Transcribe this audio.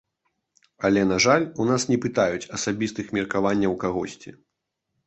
Але, на жаль, у нас не пытаюць асабістых меркаванняў кагосьці.